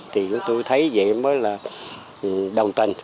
thì tôi thấy vậy mới là đồng tình